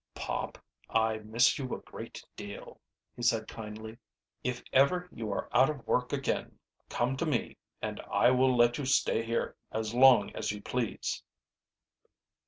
"Pop, I miss you a good deal," he said kindly. "If ever you are out of work again, come to me and I will let you stay here as long as you please."